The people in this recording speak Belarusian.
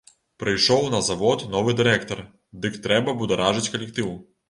Прыйшоў на завод новы дырэктар, дык трэба бударажыць калектыў.